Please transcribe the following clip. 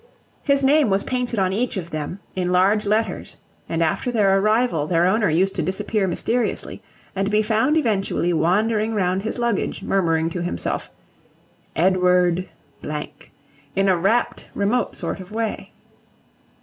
His name was painted on each of them, in large letters, and after their arrival their owner used to disappear mysteriously, and be found eventually wandering round his luggage, murmuring to himself, "Edward ," in a rapt, remote sort of way.